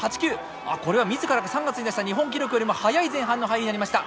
あっこれは自らが３月に出した日本記録よりも早い前半の入りになりました。